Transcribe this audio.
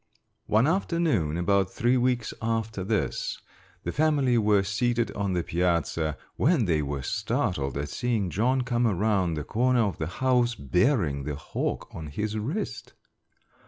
One afternoon, about three weeks after this, the family were seated on the piazza when they were startled at seeing John come around the corner of the house bearing the hawk on his wrist.